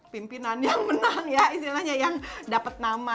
pimpinan yang menang ya istilahnya yang dapat nama